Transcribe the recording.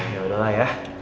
yaudah lah ya